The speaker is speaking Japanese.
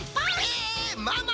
えママ